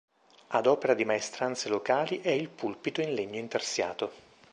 Ad opera di maestranze locali è il pulpito in legno intarsiato.